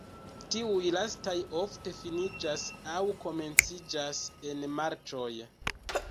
Tiuj lastaj ofte finiĝas aŭ komenciĝas en marĉoj.